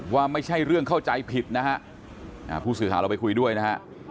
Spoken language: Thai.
ว่าไม่ใช่เรื่องเข้าใจผิดนะฮะผู้สื่อข่าวเราไปคุยด้วยนะฮะ